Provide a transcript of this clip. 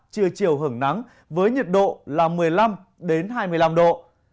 trưa chiều hưởng nắng với nhiệt độ là một mươi năm hai mươi năm độ